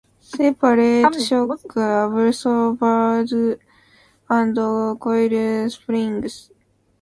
Separate shock absorbers and coil springs.